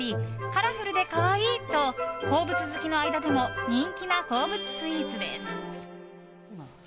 カラフルで可愛いと鉱物好きの間でも人気な鉱物スイーツです。